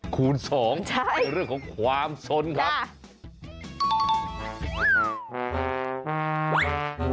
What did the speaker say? คูณสองเรื่องของความสนครับ